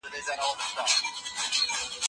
هغه وویل چي ژوندپوهنه د ژوند د پېژندنې کیلي ده.